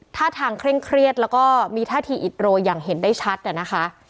ท่าทางเคร่งเครียดแล้วก็มีท่าทีอิดโรยอย่างเห็นได้ชัดนะคะ